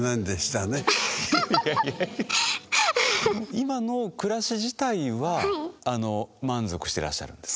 今の暮らし自体は満足してらっしゃるんです？